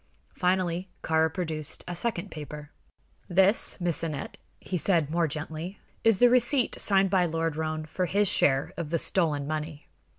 Finally Kāra produced a second paper. "This, Miss Aneth," he said, more gently, "is the receipt signed by Lord Roane for his share of the stolen money.